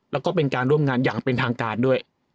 แล้วก็เป็นการร่วมงานอย่างเป็นทางการด้วย